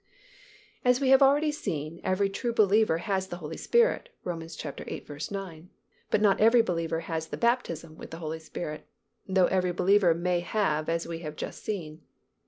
As we have already seen every true believer has the Holy Spirit (Rom. viii. 9), but not every believer has the baptism with the Holy Spirit (though every believer may have as we have just seen).